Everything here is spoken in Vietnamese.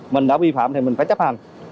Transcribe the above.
mình đã vi phạm thì mình phải chấp hành